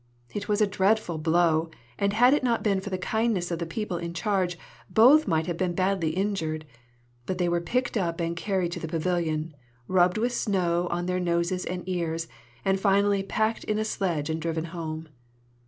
It was a dreadful blow, and had it not been for the kindness of the people in charge, both might have been badly injured; but they were picked up and carried to the pavilion, rubbed with snow on their noses and ears, and finally packed in a sledge and driven home.